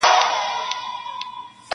تر ابده له دې ښاره سو بېزاره-